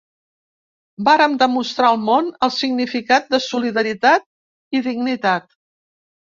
Vàrem demostrar al món el significat de solidaritat i dignitat.